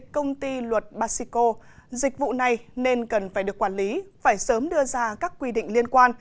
công ty luật basico dịch vụ này nên cần phải được quản lý phải sớm đưa ra các quy định liên quan